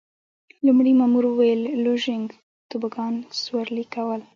لومړي مامور وویل: لوژینګ، توبوګان سورلي کول.